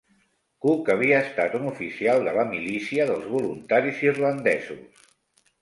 Cooke havia estat un oficial de la milícia dels voluntaris irlandesos.